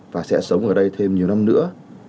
và sẽ sống ở đây thêm nhiều năm nữa